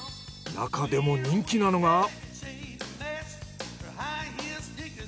なかでも人気なのが。